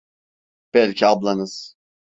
Belki ablanız!